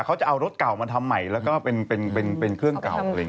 เขาจะเอารถเก่ามาทำใหม่แล้วก็เป็นเครื่องเก่า